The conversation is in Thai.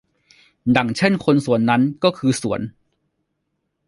ดังเช่นคนสวนนั้นก็คือสวน